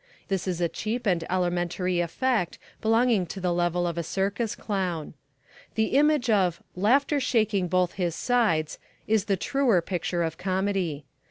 This is a cheap and elementary effect belonging to the level of a circus clown. The image of "laughter shaking both his sides" is the truer picture of comedy.